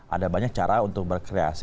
ada banyak cara untuk berkreasi